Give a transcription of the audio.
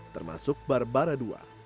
termasuk barbara ii